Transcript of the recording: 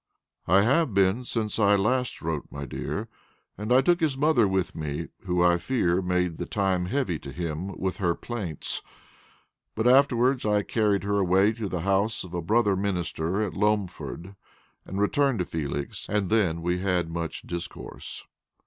"I have been since I last wrote, my dear, and I took his mother with me, who, I fear, made the time heavy to him with her plaints. But afterward I carried her away to the house of a brother minister at Loamford, and returned to Felix, and then we had much discourse."